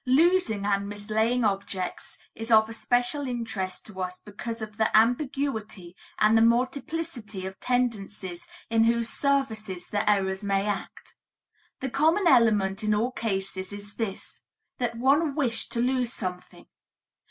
Losing and mislaying objects is of especial interest to us because of the ambiguity and the multiplicity of tendencies in whose services the errors may act. The common element in all cases is this, that one wished to lose something.